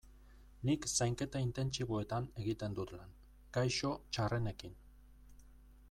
Nik Zainketa Intentsiboetan egiten dut lan, gaixo txarrenekin.